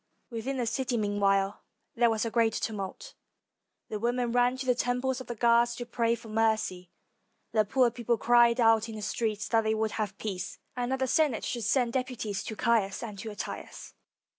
] Within the city, meanwhile, there was a great tumult; the women ran to the temples of the gods to pray for mercy, the poorer people cried out in the streets that they would have peace, and that the Senate should send deputies to Caius and to Attius.